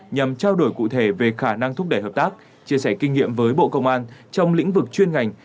nhằm trao đổi cụ thể về khả năng thúc đẩy hợp tác chia sẻ kinh nghiệm với bộ công an trong lĩnh vực chuyên ngành